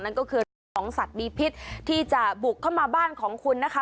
นั่นก็คือเรื่องของสัตว์มีพิษที่จะบุกเข้ามาบ้านของคุณนะคะ